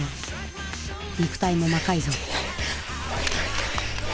肉体も魔改造。